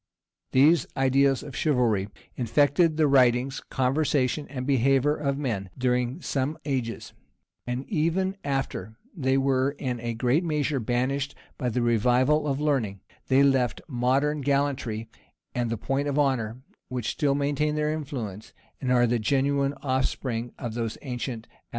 These ideas of chivalry infected the writings, conversation, and behavior of men, during some ages; and even after they were, in a great measure, banished by the revival of learning, they left modern gallantry and the point of honor, which still maintain their influence, and are the genuine off spring of those ancient affectations.